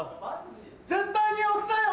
絶対に押すなよ！